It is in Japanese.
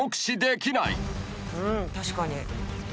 うん確かに。